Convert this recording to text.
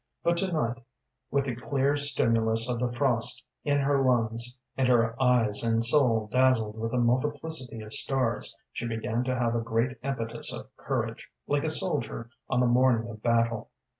But to night, with the clear stimulus of the frost in her lungs, and her eyes and soul dazzled with the multiplicity of stars, she began to have a great impetus of courage, like a soldier on the morning of battle.